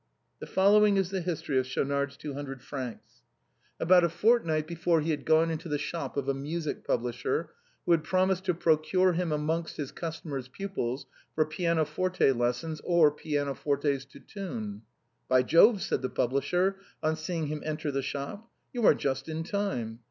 The following is the history of Schaunard's two hundred francs : About a fortnight before he had gone into the shop of a music publisher who had promised to procure him amongst his customers pupils for pianoforte lessons or pianofortes to tune. " By Jove !" said the publisher, on seeing him enter the shop, "3'ou are Just in time.